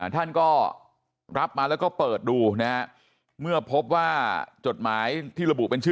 ท่านก็รับมาแล้วก็เปิดดูนะฮะเมื่อพบว่าจดหมายที่ระบุเป็นชื่อ